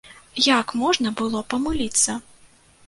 Як можна было памыліцца?